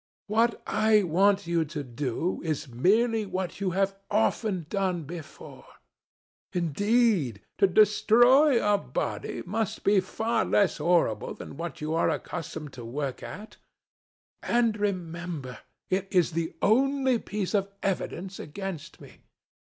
What I want you to do is merely what you have often done before. Indeed, to destroy a body must be far less horrible than what you are accustomed to work at. And, remember, it is the only piece of evidence against me.